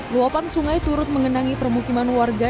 luapan sungai turut mengenangi permukiman warga